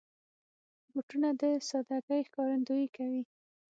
بوټونه د سادګۍ ښکارندويي کوي.